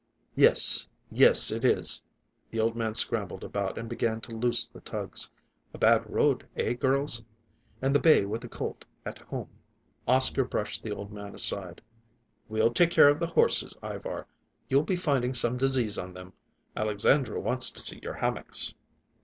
"Yes, yes, it is." The old man scrambled about and began to loose the tugs. "A bad road, eh, girls? And the bay with a colt at home!" Oscar brushed the old man aside. "We'll take care of the horses, Ivar. You'll be finding some disease on them. Alexandra wants to see your hammocks."